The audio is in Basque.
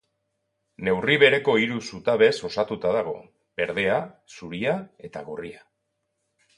Neurri bereko hiru zutabez osatuta dago: berdea, zuria eta gorria.